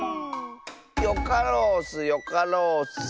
よかろうッスよかろうッス。